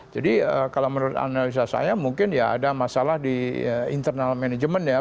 jadi kalau menurut analisa saya mungkin ya ada masalah di internal management ya